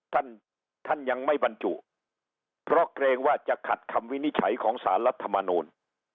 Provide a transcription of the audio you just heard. ท่านท่านยังไม่บรรจุเพราะเกรงว่าจะขัดคำวินิจฉัยของสารรัฐมนูล